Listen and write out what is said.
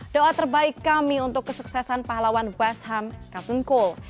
doa terbaik kami untuk kesuksesan pahlawan west ham kartun kool